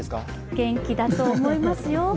元気だと思いますよ。